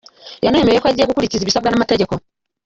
Yanemeye ko agiye gukurikiza ibisabwa n’amategeko.